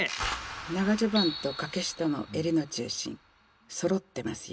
長襦袢と掛下の襟の中心そろってますよ。